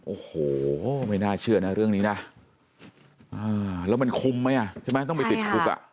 โอ้โหไม่น่าเชื่อนะเรื่องนี้นะแล้วมันคุ้มไหมอ่ะใช่ไหมต้องไปติดคุกอ่ะ